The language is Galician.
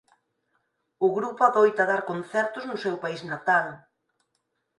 O grupo adoita dar concertos no seu país natal.